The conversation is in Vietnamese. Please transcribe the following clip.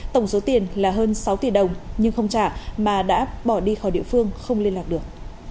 tổng số tiền là hơn sáu tỷ đồng nhưng không trả mà đã bỏ đi khỏi địa phương không liên lạc được